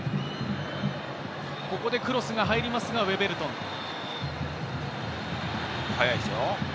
ここでクロスが入りますが、ウェベルトン。